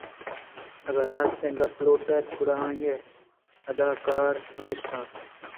اگاں راستیں گپ ءَ لوٹ اِت گڑا آئیءِ اِدا کار ہمیش اِنت